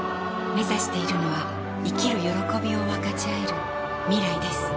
めざしているのは生きる歓びを分かちあえる未来です